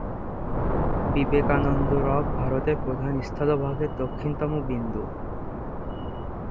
Vivekananda rock ভারতের প্রধান স্থলভাগের দক্ষিণতম বিন্দু।